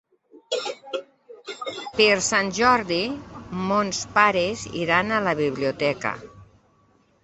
Per Sant Jordi mons pares iran a la biblioteca.